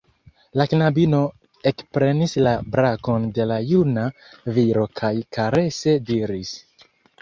La knabino ekprenis la brakon de la juna viro kaj karese diris: